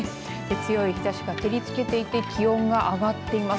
強い日ざしが照りつけていき気温が上がっています。